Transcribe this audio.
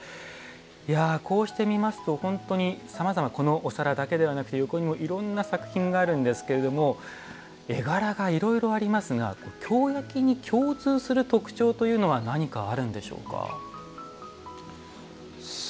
こうしてみますと本当にさまざまお皿だけではなくて横にもいろんな作品があるんですけれども絵柄がいろいろありますが京焼に共通する特徴というのは何かあるんでしょうか？